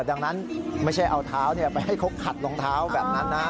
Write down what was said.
ดังนั้นไม่ใช่เอาเท้าไปให้เขาขัดรองเท้าแบบนั้นนะ